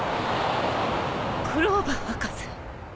クローバー博士。